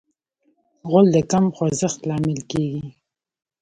غول د کم خوځښت لامل کېږي.